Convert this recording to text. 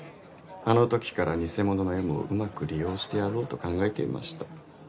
あのときから偽物のＭをうまく利用してやろうと考えていました